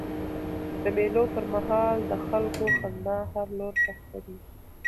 د مېلو پر مهال د خلکو خندا هر لور ته خپره يي.